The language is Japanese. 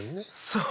そう！